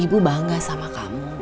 ibu bangga sama kamu